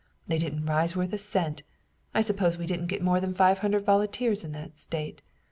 They didn't rise worth a cent. I suppose we didn't get more than five hundred volunteers in that state.